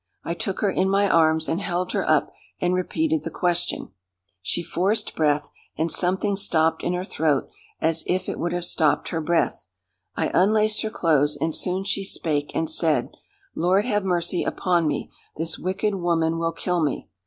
I took her in my arms and held her up, and repeated the question. She forced breath, and something stopped in her throat as if it would have stopped her breath. I unlaced her clothes, and soon she spake and said, 'Lord, have mercy upon me, this wicked woman will kill me.